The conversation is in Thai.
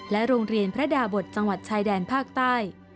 โรงเรียนพระดาบทจังหวัดชายแดนภาคใต้